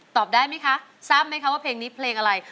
ตอบได้ไหมคะทราบไหมคะว่าเพลงนี้เพลงอะไร